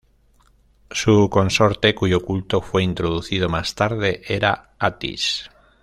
Su consorte, cuyo culto fue introducido más tarde, era Atis.